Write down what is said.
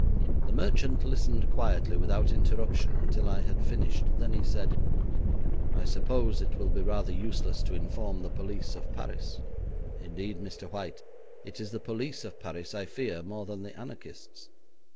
The merchant listened quietly without interruption until I had finished; then he said, 'I suppose it will be rather useless to inform the police of Paris?' 'Indeed, Mr. White, it is the police of Paris I fear more than the anarchists.